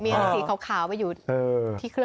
มีสีขาวมาอยู่ที่เครื่อง